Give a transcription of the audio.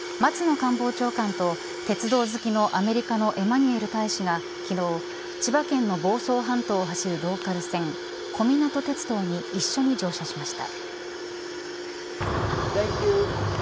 官房長官と鉄道好きのアメリカのエマニュエル大使が昨日千葉県の房総半島を走るローカル線小湊鉄道に一緒に乗車しました。